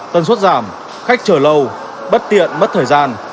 tân suất giảm khách chờ lâu bất tiện mất thời gian